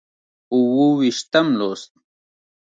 اووه ویشتم لوست